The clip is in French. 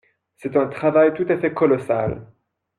C’est un travail tout à fait colossal.